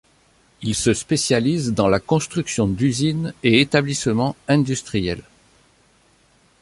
Il se spécialise dans la construction d'usines et établissements industriels.